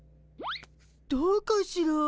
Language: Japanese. どうかしら？